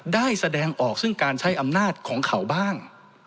ได้แสดงออกซึ่งการใช้อำนาจของเขาบ้าง